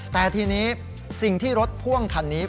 แต่ทีนี้สิ่งที่รถพ่วงคันนี้